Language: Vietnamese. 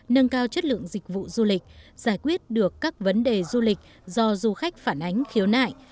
nâng cao chất lượng dịch vụ du lịch giải quyết được các vấn đề du lịch do du khách phản ánh khiếu nại